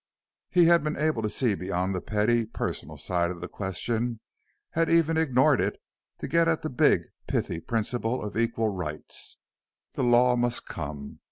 He had been able to see beyond the petty, personal side of the question; had even ignored it to get at the big, pithy principle of equal rights. The Law must come.